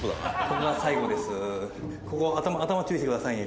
ここ頭頭注意してくださいね。